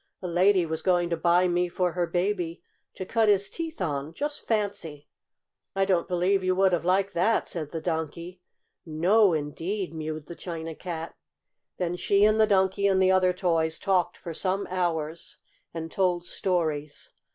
A lady was going to buy me for her baby to cut his teeth on. Just fancy!" "I don't believe you would have liked that," said the Donkey. "No, indeed!" mewed the China Cat. Then she and the Donkey and the other toys talked for some hours, and told stories.